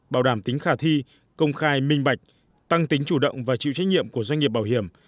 bảo đảm tính khả thi công khai minh bạch tăng tính chủ động và chịu trách nhiệm của doanh nghiệp bảo hiểm